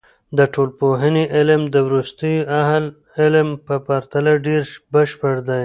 د ټولنپوهنې علم د وروستیو اهل علم په پرتله ډېر بشپړ دی.